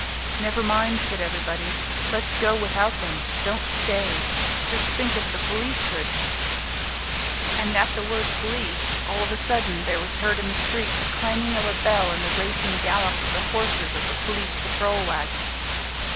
"Never mind," said everybody, "let's go without them don't stay. Just think if the police should " And at the word police, all of a sudden there was heard in the street the clanging of a bell and the racing gallop of the horses of the police patrol wagon.